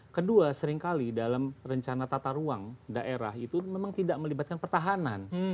kedua seringkali dalam rencana tata ruang daerah itu memang tidak melibatkan pertahanan